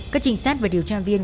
các trinh sát và điều tra viên